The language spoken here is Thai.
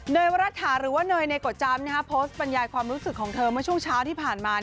วรัฐาหรือว่าเนยเนยโกจำโพสต์บรรยายความรู้สึกของเธอเมื่อช่วงเช้าที่ผ่านมา